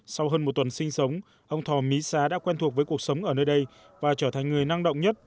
sau hơn một tuần sinh sống ông thò mý xá đã quen thuộc với cuộc sống ở nơi đây và trở thành người năng động nhất